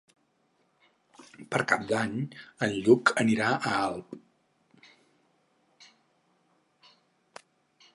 Per Cap d'Any en Lluc anirà a Alp.